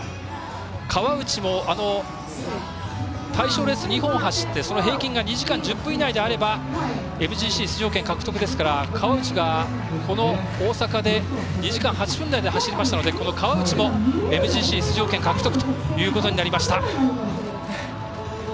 川内も対象レース２本走ってその平均が２時間１０分以内であればＭＧＣ出場権獲得ですから川内がこの大阪で２時間８分台で走りましたので川内もＭＧＣ出場権獲得ということになりました。